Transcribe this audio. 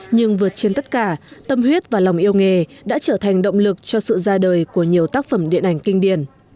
nhưng vượt trên tất cả tâm huyết và lòng yêu nghề đã trở thành động lực cho sự ra đời của nhiều tác phẩm điện ảnh kinh điển